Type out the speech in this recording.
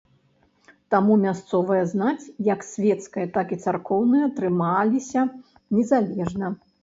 Таму мясцовая знаць, як свецкая, так і царкоўная трымаліся незалежна.